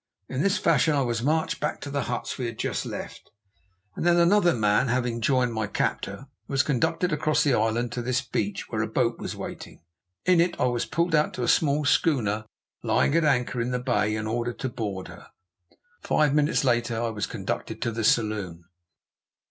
In this fashion I was marched back to the huts we had just left, and then, another man having joined my captor, was conducted across the island to this beach, where a boat was in waiting. In it I was pulled out to a small schooner lying at anchor in the bay and ordered to board her; five minutes later I was conducted to the saloon.